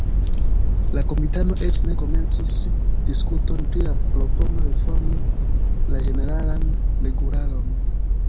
La komitato eĉ ne komencis diskuton pri la propono reformi la ĝeneralan regularon.